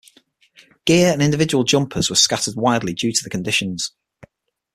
Gear and individual jumpers were scattered widely due to the conditions.